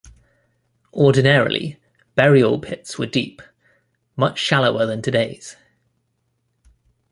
Ordinarily, burial pits were deep, much shallower than today's.